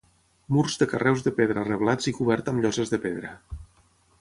Murs de carreus de pedra reblats i coberta amb lloses de pedra.